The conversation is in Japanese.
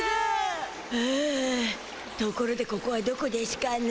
ふうところでここはどこでしゅかね？